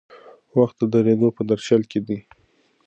وخت د درېدو په درشل کې دی.